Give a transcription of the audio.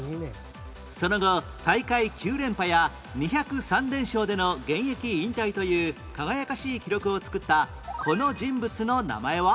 その後大会９連覇や２０３連勝での現役引退という輝かしい記録を作ったこの人物の名前は？